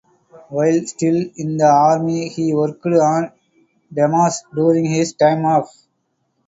While still in the army, he worked on demos during his time off.